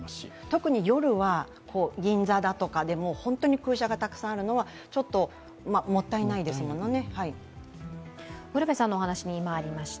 特に夜は銀座だとかで本当にもう空車があるのはちょっともったいないですものね。